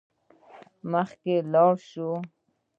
مخکې لاړ شو.